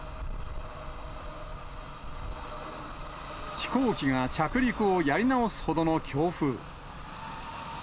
飛行機が着陸をやり直すほどの強風。